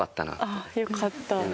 ああよかった。